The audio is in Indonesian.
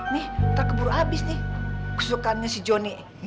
nih ntar keburu abis nih kesukaannya si jonny